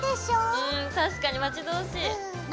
うん確かに待ち遠しい。